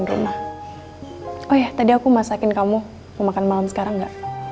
hai oh ya tadi aku masakin kamu mau makan malam sekarang gak